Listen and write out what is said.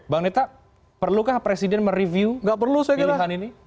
bang neta perlukah presiden mereview pilihan ini